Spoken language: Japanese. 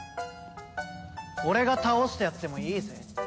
俺が倒してやってもいいぜ？